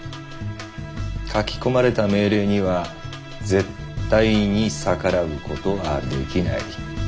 書き込まれた命令には絶対に逆らうことはできない。